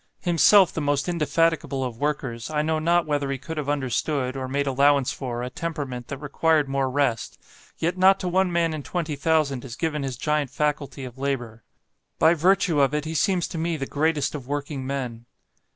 Himself the most indefatigable of workers, I know not whether he could have understood, or made allowance for, a temperament that required more rest; yet not to one man in twenty thousand is given his giant faculty of labour; by virtue of it he seems to me the greatest of working men.